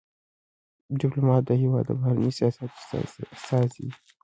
ډيپلومات د هېواد د بهرني سیاست استازی دی.